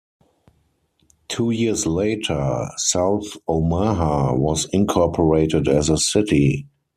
Two years later, South Omaha was incorporated as a city.